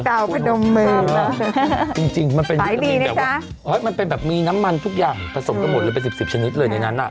เตาผนมมือจริงมันเป็นแบบมีน้ำมันทุกอย่างผสมกับหมดเลยเป็น๑๐ชนิดเลยในนั้น